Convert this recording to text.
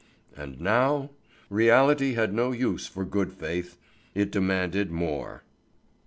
And now? Reality had no use for good faith; it demanded more.